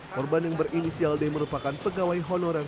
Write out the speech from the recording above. korban yang berinisial d merupakan pegawai honorer